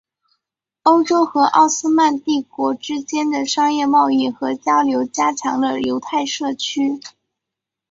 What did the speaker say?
欧洲和奥斯曼帝国之间的商业贸易和交流加强了犹太社区。